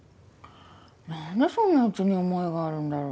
何でそんなうちに思いがあるんだろ。